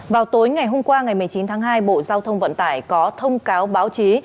vào tối ngày hôm qua ngày một mươi chín tháng hai bộ giao thông vận tải có thông cáo báo chí